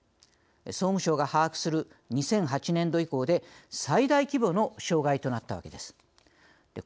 総務省が把握する２００８年度以降で最大規模の障害となったわけです。